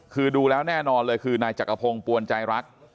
คือดูแล้วแน่นอนเลยคือนายจักรพงศ์ปวนใจรัก